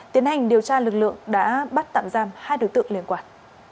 tiến hành điều tra lực lượng đã bắt tạm giam hai đối tượng liên quan